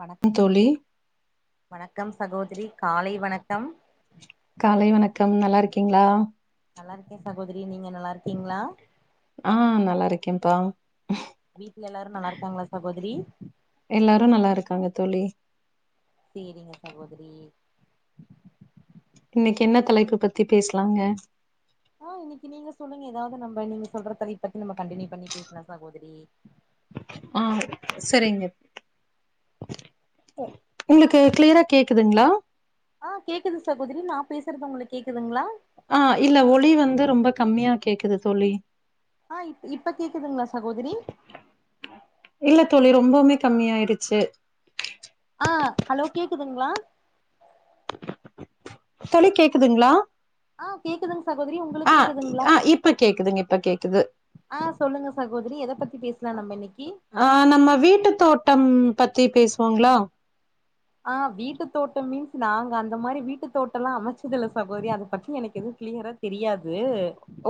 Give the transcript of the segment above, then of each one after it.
வணக் ம் தோழி வணக்கம் சகோதரி காலை வணக்கம் காலை வணக்கம் நல்லா இருக்கீங்ளா நல்லா இருக்கே சகோதரி நீங்க நல்லா இருக்கீங்ளா ஆ நல்லா இருக்கே பா வீடல எல்லாரு நல்லா இருக்காங்களா சகோதரி எல்லாரு நல்லா இருக்காங்க தோழி சேரிங்க சாகோதரி இன்னைக்கு என்ன தலைப்பு பத்தி பேசலாங்க ஆ இன்னைக்கு நீ சொல்லுங்க ஏதாவது நம்ம நீங்க சொல்றத பத்தி நம்ம கண்டினியூ பண்ணி பேசலா சகோதரி ஆ சரிங்க உங்ளுக்கு கிளியரா கேக்குதுங்ளா ஆ கேக்குது சாகோதரி நா பேசுறது உங்களுக்கு கேக்குதுங்ளா ஆ இல்ல ஒலி வந்து ரொம்ப கம்மியா கேக்குது தோழி ஆ இப் இப்ப கேக்குதுங்களா சகோதரி இல்ல தோழி ரொம்பவுமே கம்மியாயிடுச்சி ஆ ஹலோ கேக்குதுங்ளா தோழி கேக்குதுங்ளா ஆ கேக்குதுங்க சகோதரி உங்ளுக்கு இ- கேக்குதுங்களா ஆ இப்ப கேக்குதுங்க இப்ப கேக்குது ஆ சொல்லுங்க சகோதரி எத பத்தி பேசலா நம்ம இன்னக்கி ஆ நம்ம வீட்டு தோட்டம் பத்தி பேசுவோங்ளா ஆ வீட்டு தோட்டம் மீன்ஸ் நாங்க அந்த மாதிரி வீட்டு தோட்டல்லா அமச்சதுல்ல சகோதரி அத பத்தி எனக்கு எதுவு கிளியரா தெரியாது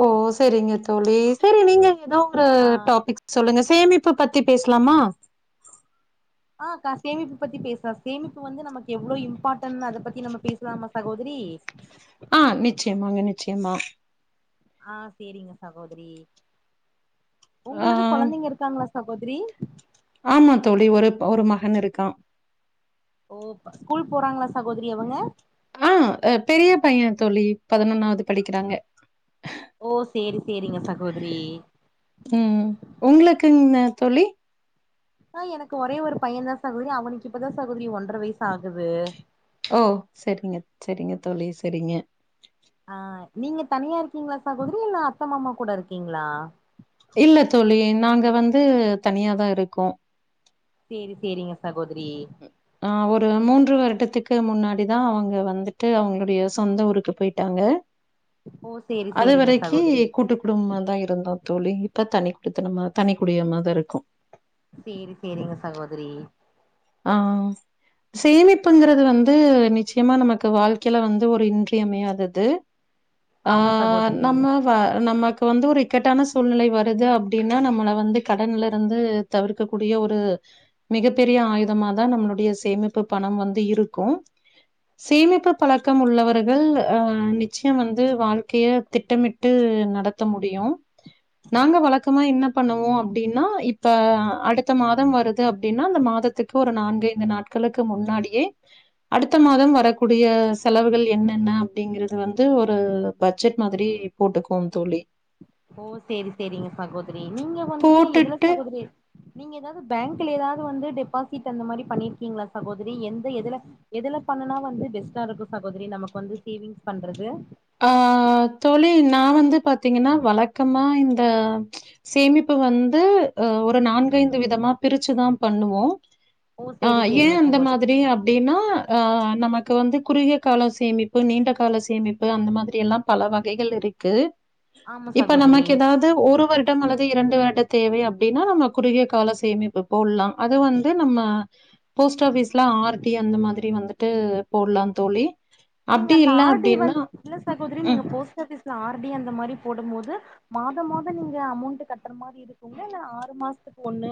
ஓ சரிங்க தோழி சரி நீங்க ஏதோ ஒரு ஆ டாப்பிக் சொல்லுங்க சேமிப்பு பத்தி பேஸ்லாமா ஆ கா சேமிப்பு பத்தி பேஸ்லா சேமிப்பு வந்து நமக்கு எவ்ளோ இம் பாட்டன் அத பத்தி நம்ம பேசலாமா சகோதரி ஆஹ் நிச்சயமாங்க நிச்சயமா ஆ சேரிங்க சகோதரி ஆ உங்களுக்கு கொழந்தைங்க இருக்காங்களா சகோதரி ஆமா தோழி ஒரு ஒரு மகன் இருக்கா ஓ ஸ்கூல் போறாங்களா சகோதரி அவங்க ஆ பெரிய பைய தோழி பதனொன்னாவது படிக்கறாங்க ஓ சேரி சேரிங்க சகோதரி ம் உங்ளுக்குங்க தோழி ஆ எனக்கு ஒரே ஒரு பையன் தா சகோதரி அவனுக்கு இப்பதா சகோதரி ஒன்ர வயசு ஆகுது ஓ செரிங்க செரிங்க தோழி செரிங்க ஆ நீங்க தனியா இருக்கீங்ளா சகோதரி இல்ல அத்த மாமா கூட இருக்கீங்ளா இல்ல தோழி நாங்க வந்து தனியாதா இருக்கோ சேரி செரிங்க சகோதரி அ ஒரு மூன்று வருடத்துக்கு முன்னாடிதா அவங்க வந்துட்டு அவங்களுடைய சொந்த ஊருக்கு போயிட் டாங்க ஓ சேரி அது சேரிங்க வரைக்கி சகோதரி கூட்டு குடும்பமா தா இருந்தோ தோழி இப்ப தனி குடித்துனமா தனி குடிய மா தா இருக்கோ சேரி சேரிங்க சகோதரி ஆ சேமிப்புங்கிறது வந்து நிச்சயமா நமக்கு வாழ்க்கையில வந்து ஒரு இன்றியமையாதது ஆ ஆமா சகோதரி நம்ம நமக்கு வந்து ஒரு இக்கட்டான சூழ்நிலை வருது அப்டின்னா நம்மள வந்து கடன்ல இருந்து தவிர்க்க கூடிய ஒரு மிகப் பெரிய ஆயுத தமா தா நம்மளுடைய சேமிப்பு பணம் வந்து இருக்கு சேமிப்பு பழக்கம் உள்ளவர்கள் அ நிச்சயம் வந்து வாழ்க்கைய திட்டமிட் மிட்டு நடத்த முடியு நாங்க வழக்கமா என்ன பண்ணுவோ அப்டின்னா இப்ப அடுத்த மாதம் வருது அப்டின்னா அந்த மாதத்துக்கு ஒரு நான்கு ஐந்து நாட்களுக்கு முன்னாடியே அடுத்த மாதம் வரக்கூடிய செலவுகள் என்னென்ன அப்படிங்கறது வந்து ஒரு பட்ஜெட் மாதிரி போட்டுக்குவோம் தோழி ஓ சேரி சேரிங்க சகோதரி நீங்க வந்துட்டு எதுல போட்டுட்டு சகோதரி நீங்க ஏதாவது பேங்க்ல ஏதாவது வந்து டெபாசிட் அந்த மாதிரி பண்ணிருக்கீங்களா சகோதரி எந்த எதுல எதுல பண்ணுனா வந்து பெஸ்ட்டா இருக்கு சகோதரி நமக்கு வந்து சேவிங்ஸ் பண்றது ஆ தோழி நா வந்து பாத்தீங்கன்னா வழக்கமா இந்த சேமிப்பு வந்து அ ஒரு நான்கைந்து விதமா பிரிச்சுதா பண்ணுவோ ஓ ஆ சேரி ஏ சேரிங்க அந்த மாதிரி சகோதரி அப் அப்டின்னா ஆ நமக்கு வந்து குறுகிய கால சேமிப்பு நீண்ட கால சேமிப்பு அந்த மாதிரி எல்லா பல வகைகள் இருக்கு ஆமா இப்ப சகோதரி நமக்கு ஏதாவ்து ஒரு வருடம் அல்லது இரண்டு வருடம் தேவை அப்டின்னா நம்ம குறுகிய கால சேமிப்பு போல்லாம் அது வந்து நம்ம போஸ்ட் ஆபிஸ்ல ஆர்டி அந்த மாதிரி வந்துட்டு போட்லாம் தோழி நீங்க அப்டி அந்த இல்ல ஆர்டி அப்டின்னா வந்து இல்ல சகோதரி நீங்க ம். போஸ்ட் ஆபீஸ்ல ஆர்டி அந்த மாரி போடும் போது மாதம் மாதம் நீங்க அமௌண்ட் கட்டுற மாதிரி இருக்குங்க இல்ல ஆறு மாசத்துக்கு ஒண்ணு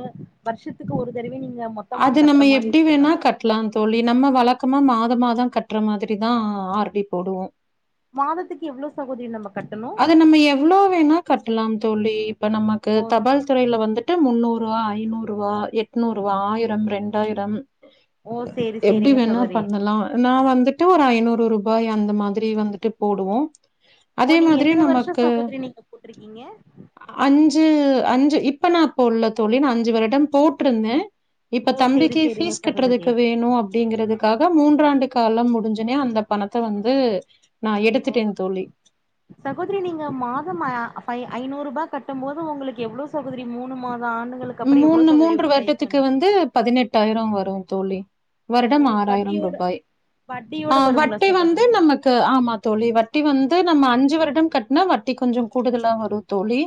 வர்ஷத்துக்கு ஒரு தடவை நீங்க மா அது நம்ம எப்டி வேணா கட்லான் தோழி நம்ம வழக்கமா மாதம் மாதம் கட்டுற மாதிரி தா ஆர்டி போடுவோ மாதத்துக்கு எவ்ளவு சகோதரி நமக் அது நம்ம எவ்ளோ வேணா கட்டலாம் தோலி இப்ப நமக்கு ஓ தபால்துறைல வந்து ட்டு முன்னூறு ருவா ஐநூறுவா எட்நூறுவா ஆயிரம் ரெண்டாயிரம் ஓ சேரி எப்டி சேரிங்க வேணா சகோதரி பண்ணலா நா வந்துட்டு ஒரு ஐநூறு ருபாய் அந்த மாதிரி வந்துட்டு போடுவோ ஓ நீங்க எத்தன வருஷ சகோதரி நீங்க போட்டிருக்கீங்க அஞ்சு அஞ்சு இப்ப நா போடல தோழி நான் அஞ்சு வருடம் போட்ருந்தே இப்ப ஓ சேரி தம்பிக்கு சேரிங்க பீஸ் சகோதரி கட்டுறதுக்கு வேணு அப்டிங்கறதுக் க்காக மூன்றாண்டு காலம் முடிஞ்சனே அந்த பணத்த வந்து நான் அவ்ங்க எடுத்துட்டேன் தோழி. சகோதரி நீங்க மாதம் ஐநூறுபா கட்டும் போது உங்களுக்கு எவ்ளோ சகோதரி மூணு மாதஆண்டு மூணு மூன்று வருடத்துக்கு வந்து பதினெட்டாயிரோ வரு தோழி ஓ வருடம் ஆறாயிரம் வட்டியோட ருபாய் ஆ வட்டியோட வருங்களா வட்டி வந்து சகோதரி நமக் கு ஆமா தோழி வட்டி வந்து நம்ம அஞ்சு வருடம் கட்டுன வட் வட்டி கொஞ்சம் கூடுதலா வரு தோழி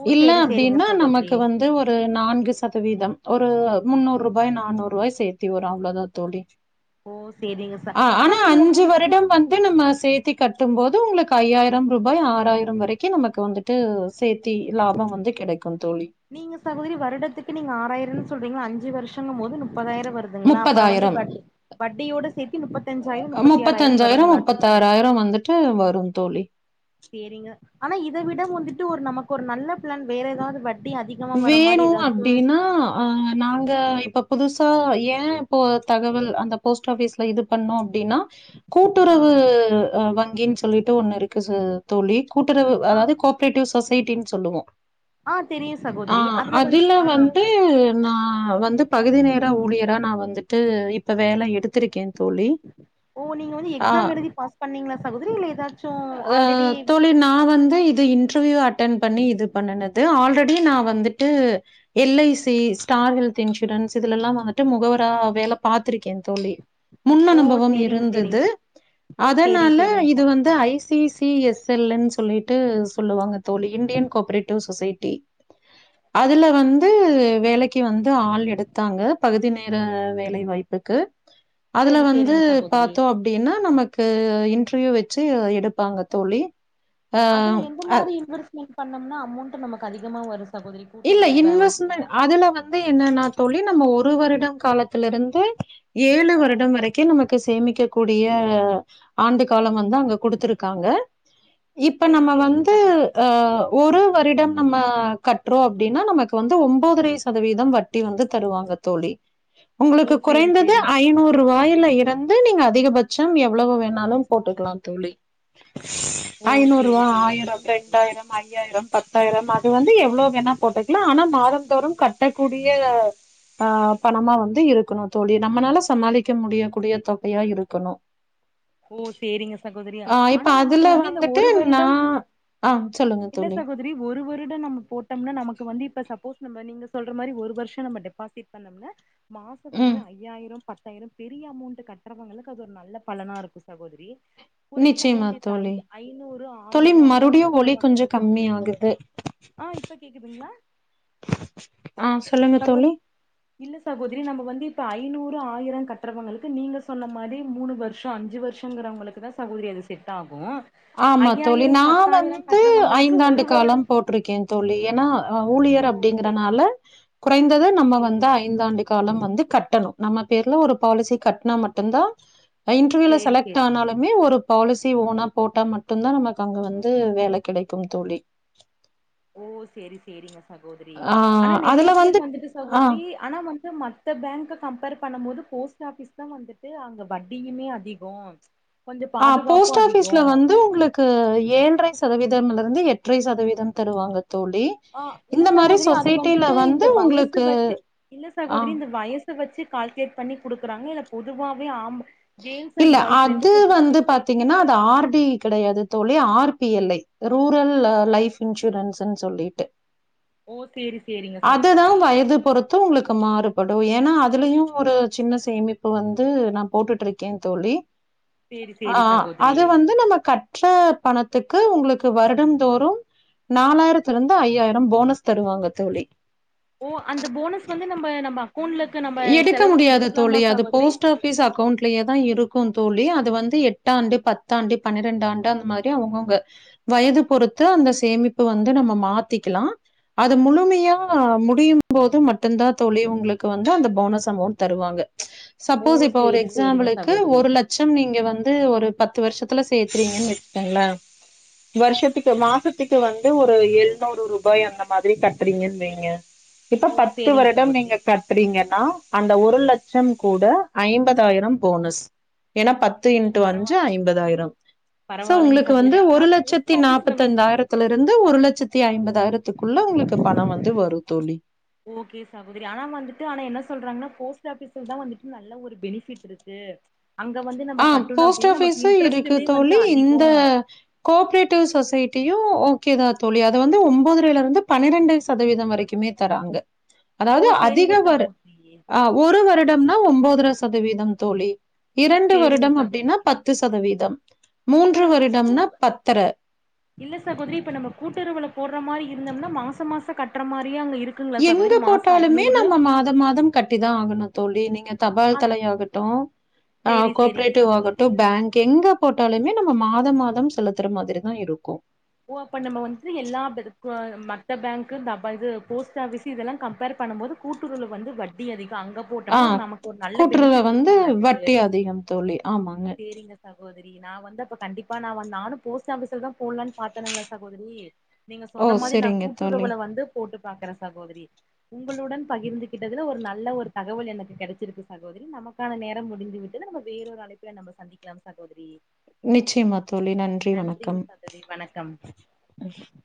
ஓ இல்ல சேரி சேரிங்க அப்டின்னா சகோதரி நமக்கு வந்து ஒரு ஒரு நான்கு சதவீதம் ஒரு முன்னூறுபாய் நானூறுபாய் சேத்தி வரு அவ்ளோதா தோழி ஓ சேரிங்க ச ஆ ஆனா இதுல அஞ்சு வந்துட்டு வருடம் வந் து நம்ம சேத்தி கட்டும் போது உங்களுக்கு ஐயாயிரம் ரூபாய் ஆறாயிரம் வரைக்கு நமக்கு வந்துரு ட்டு சேத்தி லாபம் வந்து கெடைக்குதோழி நீங்க சகோதரி வருடத்துக்கு நீங்க ஆறாயிரம்னு சொல்றீங்க அஞ்சு வருஷங்க போது முப்பதாயிரம் வருது ங்களா அப்ப வந்து ப வட்டியோடு சேத்தி முப்பத்தஞ்சாயிர முப்பத்தி ஆறாயிர வருங்களாட்டுக்கு சேரி முப்பத்தாறாயிர வந்துட்டு வரு தோழி சேரிங்க ஆனா இத விட வந்துட்டு ஒரு நமக்கு ஒரு நல்ல பிளான் வேற ஏதாவ்து வட் வேணு அப்டின்னா அ நாங்க இப்ப புதுசா ஏ இப்போ தகவல் அந்த போஸ்ட் ஆபீஸ்ல இது பண்ணோ அப்டின்னா ஆ கூட்டுறவு அ வங்கின்னு சொல்லிட்டு ஒண்ணு இருக்கு சு தோழி கூட்டுறவு ஆ அதாவ்து கோ ஆப்பரேட்டிவ் சொசைட்டின்னு சொல்லுவோ ஆ தெரியு சகோதரி அதுல வந்து ஆ டு நா வந்து பகுதி நேர ஊழியரா நா வந்துட்டு இப்ப வேலை எடுத் ம் தோழி ஓ நீங்க வந்து ஆ எக்ஸாம் எழுதி பாஸ் பண்ணீங்களா சகோதரி இல்ல ஏதாச்சு ஆல்ரெடி நா வந்து இது இன்டர்வியூ அட்டன் பண்ணி இது பண்ணனது ஆல் ரெடி நா வந்துட்டு L I C star health insurance இதுல எல்லா வந்துட்டு முகவரா வேல பாத்திருக்கே தோழி முன் ஓ அனுபவ சேரிங்க சேரிங்க இருந்துது ஓ சேரி அதனால சேரிங்க இது வந்து சகோதரி I C C C S L ன்னு சொல்லிட்டு சொல்லுவாங்க தோழி இண்டியன் கோப்ரேட்டிவ் சொசைட்டி அதுல வந்து வேலைக்கு வந்து ஆள் எடுத்தாங்க பகுதி நேர வேலை வாய்ப்புக்கு அதுல சேரி வந்து சேரிங்க சகோதரி பாத்தோ அப்டின்னா நமக்கு இன்டர்வியூ வச்சு எடுப்பாங்க தோழி அதுல எந்த அ மாதி இன்வெஸ்ட்மெண்ட் பண்ணம்னா அமௌண்ட் நமக்கு அதிகமா வரு சகோதரி இல்ல கூட்டுறவு பே வங்கில இன்வெஸ்ட்மெண்ட் அதுல வந் து என்னன்னா தோழி நம்ம ஒரு வருடம் காலத்துல இருந்து ஏழு ஆ வருடம் வரைக் கி நமக்கு சேமிக்கக்க கூடிய ஆண்டு கால வந்து அங்க குடுத்துருக்காங்க இப்ப சேரி நம்ம சேரிங்க வந்து சகோதரி அ ஒரு வருட நம்ம கட் றோ அப்டின்னா நமக்கு வந்து ஒன்பதரை சதவீதம் வட்டி வந்து தருவாங்க தோழி ஓ உங்களுக்கு சேரி குறைந்தது சேரிங் ஐநூறு ரூவாயில இருந்து நீங்க அதிகபட்ச எவ்ளோவு வேணாலு போட்டுக்கிலா தோழி ஓ ஐநூறு சேரி ரூவா சேரிங்க ஆயிர சகோதரி ரெண்டாயிர ஐயாயிர பத்தாயிர அது வந்து எவ்ளோ வேனா போட்டுக்கலா ஆனா மாதந்தோறு கட்டக்கூடிய ஆ பணமா வந்து இருக்கணு தோழி நம்மளால சமாளிக்க முடியக்கூடிய தொகையா இருக்கணு ஓ சேரிங்க சகோதரி ஆ இப்ப ஆனா நமக்கு அதுல வந்து இந்த வந்துட்டு ஒரு நா வருட ஆ சொல்லுங்க தோழி இல்ல சகோதரி ஒரு வருட நம்ம போட்டோம்னா நமக்கு வந்து இப்ப சப்போஸ் நம்ப நீங்க சொல்ற மாரி ஒரு வருஷ நம்ம டெபாசிட் பண்ண [unintelligible] மாச வந்து ம் ஐயாயிர பத்தாயிர பெரிய அமௌண்ட் கட்டுறவங்களுக்கு அது ஒரு நல்ல பலனா இரு க்கு சகோதரி நிச்சயமா குறைந்தஅமௌன்ட்டில் தோழி [unintelligible] ஐநூறு தோழி ஆயரோ அவுங்க மறுபடியு ஒலி கொஞ்சோ கட்ரவங்களுக்கு கம்மி ஆகுது ஆ இப்ப கேக்குதுங்களா ஆ சொல்லுங்க [unintelligible] தோழி இல்ல சகோதரி நம்ம வந்து இப்ப ஐநூறு ஆயரோ கட்றவங்களுக்கு நீங்க சொன்ன மாரி மூணு வருஷ அஞ்சு வர் ஷோங்கிறவங்களுக்கு தா சகோதரி அது செட் ஆகு ஆமா தோழி நா வந்து கட்டுறவங்களுக்கு ஐந்தாண்டு ஒரு கால வருடம் போட்டிருக்கே தோழி ஏன்னா அ ஊழியர் ஓ அப் சேரி டிங்கறனால குறைந்தது நம்ம சேரி வந்து ஐ இந்த ஆண்டு காலம் வந்து கட்டணும் நம்ம பேர்ல ஒரு பாலிசி கட்னா மட்டும் தான் இன்டர்வியூல சேரி சேரி செலக்ட் ஆனாலும்மே ஒரு பாலிசி ஓனா போட்டா மட்டும்தான் நமக்கு அங்க வந்து வேல கெடைக்கும் தோழி ஓ சேரி சேரிங்க சகோதரி ஆனா ஆஹ் நெறைய அதுல பேர் வந்து வந்துட்டு ஆஹ் சகோதரி ஆனா வந்து மற்ற பேங்க்க கம்பேர் பண்ணும்போது போஸ்ட் ஆஃபிஸ் தான் வந்துட்டு அங்க வட்டியுமே அதி போண் ஆ போஸ்ட் ஆபிஸ்ல வந்து உங்களுக் கு ஏழ்ரை சதவீதம்ல இருந்து எட்ரை சதவீதம் தருவாங்க தோழி ஆ இல்ல இந்த மாதிரி சகோதரி அது சொசைட்டில வந்துட்டு இந்த வந்து வயசு உங்களுக்கு வச்சி இல்ல சகோதரி ஆஹ் இந்த வயஸ் வச்சி கால்குலேட் பண்ணி குடுக்குறாங்க இல்ல பொதுவாவே ஆம் கேர்ள்ஸ் இல்ல அண்ட் பாய்ஸ் ரெண்டு அது வந்து பேத்துக்குமே சேத்து பாத்தீங்கன்னா அது ஆர்டி கெடையாது தோழி R P L I rural life இன்சூரன்ஸ்ன்னு சொல்லிட்டு ஓ சேரி சேரிங்க சகோதரி அதுதான் வயது பொறுத் து உங்களுக்கு மாறுபடும் ஏன்னா அதுலயும் ஒரு ஜின்ன சேமிப்பு வந்து நம் போட்டுட்டுருக்கேன் தோழி சேரி ஆ சேரி சகோதரி அது வந்து நம்ம கட் ற்ற பணத்துக்கு உங்களுக்கு வருடம் தோறும் நாலாயிரத்துல இருந்து ஐயாயிரம் போனஸ் தருவாங்க தோழி ஓ அந்த போனஸ் வந்து நம்ப நம்ம அக்கௌண்ட்லக்கு நம்ம செலவுக்கு எடுத்துக்கலாமா சகோதரி பீஸ் அக்கௌண்ட்லயே தான் இருக்கும் தோழி அது வந்து எட்டாண்டு பத்தாண்டு பன்னிரெண்டாண்டு அந்த மாதிரி அவங்கவுங்க வயது பொறுத்து அந்த சேமிப்பு வந்து நம்ம மாத்திக்லாம் அது முழுமையா முடியும் போது மட்டும் தான் தோழி உங்களுக் இப்ப வந்து அந்த போனஸ் அமௌண்ட் தருவாங்க ஓ சப்போஸ் இப்ப ஒரு சேரி சேரிங்க எக்ஸாம்பிலுக்கு சகோதரி ஒரு லட் ஜம் நீங்க வந்து ஒரு பத்து வருஷத்துல சேக்றீங்கன்னு வச்சிக்கங்கள வருஷத்துக்கு மாசத்துக்கு வந்து ஒரு ஏழு நூறு ரூபாய் அந்த மாதிரி கட்டுறீங்கன்னு வைங்க இப்ப ஓ பத்து சேரிங்க வருடம் சகோதரி நீங்க கட் றீங்கனா அந்த ஒரு லட்சம் கூட ஐம்பதாயிரம் போனஸ் ஏன்னா பத்து ஓ இன்டு அஞ்சு பரவாயில்லைங்க சகோ ஐம்பதாயிரம் சோ பரவாயில்லைங்க உங்களுக்கு சகோதரி வந்து ஆனா ஒரு போஸ்ட் லட்சத்தி ஆபீஸ்ல நாற்பத்தி வ ஐந்தாயிரத் த்துல இருந்து ஒரு லட்சத்தி ஐம்பதாயிரத்துக்குள்ள உங்களுக்கு பணம் வந்து வரும் தோழி ஓகே சாகோதரி ஆனா வந்துட்டு ஆனா என்ன சொல்றாங்கன்னா போஸ்ட் ஆபிஸ்ல தான் வந்துட்டு நல்ல ஒரு பெனிஃபிட்ருக்கு அங்க வந்து நம்ம ஆ கட்டுனோ போஸ்ட் அப்டின்னா நமக்கு ஆஃபீஸும் இன்ட்ரெஸ்ட்டுமே வந்து அதிகோம் கோகுரேட்டிவ் சொசைட்டியும் ஓகேதான் தோழி அது வந்து ஒன்போத்ரையில இருந்து பன்னிரெண்டு சதவீதம் வரைக்கு மே தராங்க [inaudible] அதாது அதிக சேரிங்க வரு சகோதரி ஆவ் ஒரு வருடம்னா ஒன்பதர சதவீதம் தோழி இரண் டு சேரிங்க வருடம் அப்டின்னா சகோதரி பத்து சதவீதம் இப்ப மூன்று நம்ம வருடம்னா கூட்டுறவு பத்தர இல்ல சகோதிரி இப்ப நம்ம கூட்டுறவுல போட்ற மாதிரி இருந்தோம்னா மாச மாசம் கட்ற மாதிரியே அங்க இருக் எங்க போட்டாலுமே நம்ம மாதம் மாதம் கட்டி தான் ஆகணும் தோழி நீங்க தபால் அ தலை ஆகட்டும் சேரி சேரிங்க ஆகோப்ரேட்டிவ் சகோதரி ஆகட்டும் பேங்கிங்கு போட்டாலுமே நம்ம மாதம் மாதம் செலுத்துற மாதிரி தா இருக்கும் ஓ அப்ப நம்ம வந்து எல்லா பெருக்கு மத்த பேங்கு இது போஸ்ட் ஆஃபிஸ் இதெல்லாம் கம்பேர் பண்ணும் போது கூட்டுறவுல வந்து வட்டி அதிகம் அங்க ஆ போட்டோம்னா ஒரு நமக்கு ஒரு நல்ல கூட்டுறவுல பெனிஃபிட் வந்து இருக்கும் ல அதுக்கு வட்டி அதிகம் தோழி. ஆமாங்க. சேரிங்க சகோதிரி நான் வந்து அப்ப கண்டிப்பா நான் வந் நானும் போஸ்ட் ஆபிஸ்ல தான் போட்லானு பாத்தணுங்களா சகோதரி நீங்க ஓ! சொன்ன மாதிரி நா சரிங்க தோழி. கூட்டுறவுல வந்து போட்டு பாக்குறே சகோதரி உங்களுடன் பகிர்ந்துகிட்டதுல ஒரு நல்ல ஒரு தகவல் எனக்கு கிடைச்சிருக்கு சகோதரி நமக் கான நேரம் முடிந்து விட்டது நம்ம வேறொரு அழைப்புல நம்ம சந்திக்கலாம் சகோதரி நிச்சியமா தோழி நன்றி நன்றிங்க வணக்கம் சகோதரி வணக்கம் ம்